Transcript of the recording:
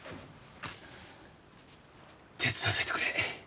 手伝わせてくれ。